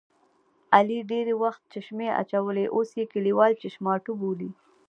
علي ډېری وخت چشمې اچوي اوس یې کلیوال چشماټو بولي.